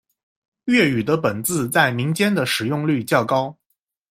粤语的本字在民间的使用率较高。